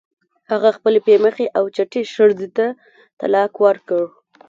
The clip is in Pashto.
هغه خپلې پی مخې او چټې ښځې ته طلاق ورکړ.